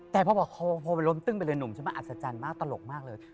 แต่พอบอกพอมันล้มตึ้งไปเลยหนุ่มใช่ไหมอัศจรรย์มากตลกมากเลย